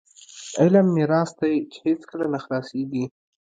علم میراث دی چې هیڅکله نه خلاصیږي.